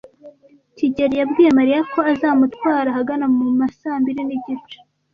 kigeli yabwiye Mariya ko azamutwara ahagana mu ma saa mbiri n'igice.